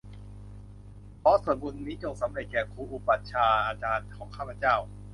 ขอส่วนบุญนี้จงสำเร็จแก่ครูอุปัชฌาย์อาจารย์ของข้าพเจ้า